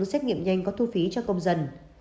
xét nghiệm nhanh có thu phí cho công dân